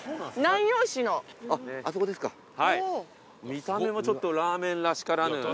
見た目もちょっとラーメンらしからぬ。